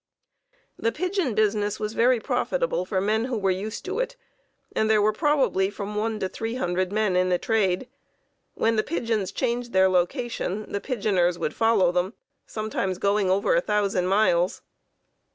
The pigeon business was very profitable for men who were used to it, and there were probably from one to three hundred men in the trade. When the pigeons changed their location, the pigeoners would follow them, sometimes going over a thousand miles.